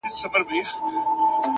ښه دی چي لونگ چي تور دی لمبې کوي;